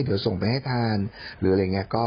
เดี๋ยวส่งไปให้ทานหรืออะไรอย่างนี้